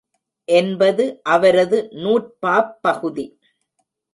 என்பது அவரது நூற்பாப் பகுதி.